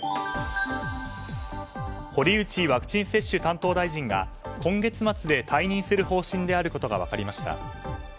堀内ワクチン接種担当大臣が今月末で退任する方針であることが分かりました。